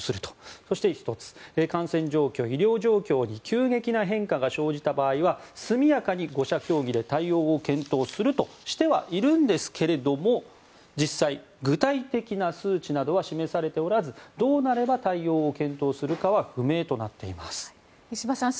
そして１つ感染状況、医療状況に急激な変化が生じた場合は速やかに５者協議で対応を検討するとしてはいるんですが実際、具体的な数値などは示されておらずどうなれば対応を検討するかは不明となっています。